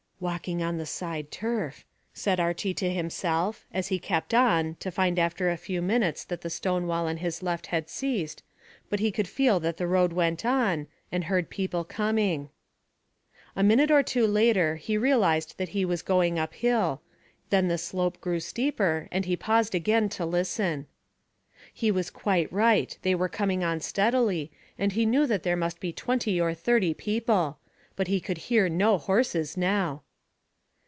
"Walking on the side turf," said Archy to himself, as he kept on, to find after a few minutes that the stone wall on his left had ceased, but he could feel that the road went on, and heard the people coming. A minute or two later he realised that he was going up hill; then the slope grew steeper, and he paused again to listen. He was quite right. They were coming on steadily, and he knew that there must be twenty or thirty people; but he could hear no horses now.